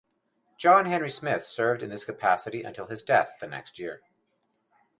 John Henry Smith served in this capacity until his death the next year.